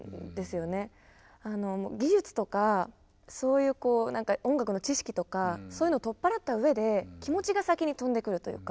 技術とかそういう音楽の知識とかそういうの取っ払ったうえで気持ちが先に飛んでくるというか。